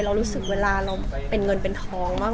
เรารู้สึกเวลาเราเป็นเงินเป็นทองบ้าง